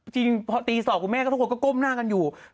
จริงพอตี๒คุณแม่ก็ทุกคนก็ก้มหน้ากันอยู่